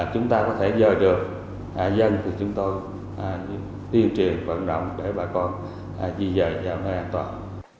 chúng ta có thể dời được dân thì chúng tôi tiên truyền vận động để bà con di dời giảm hơi an toàn